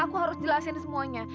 aku harus jelasin semuanya